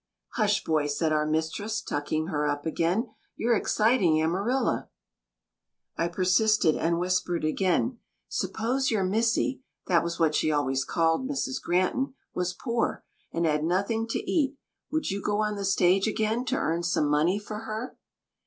"Hush, Boy," said our mistress, tucking her up again. "You are exciting Amarilla." I persisted and whispered again, "Suppose your missie (that was what she always called Mrs. Granton) was poor, and had nothing to eat: would you go on the stage again, to earn some money for her?"